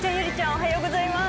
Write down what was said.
おはようございます。